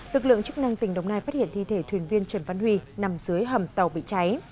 lực lượng chức năng tỉnh đồng nai phát hiện thi thể thuyền viên trần văn huy nằm dưới hầm tàu bị cháy